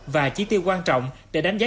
và chi tiêu quan trọng để đánh giá